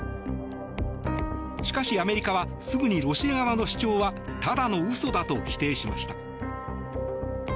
しかし、アメリカはすぐにロシア側の主張はただの嘘だと否定しました。